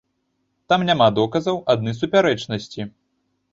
Там няма доказаў, адны супярэчнасці.